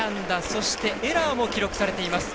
そして、エラーも記録されています。